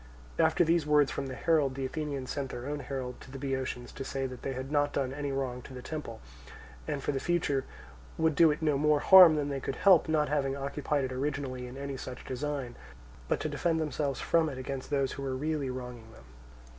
After these words from the herald, the Athenians sent their own herald to the Boeotians to say that they had not done any wrong to the temple, and for the future would do it no more harm than they could help; not having occupied it originally in any such design, but to defend themselves from it against those who were really wronging them.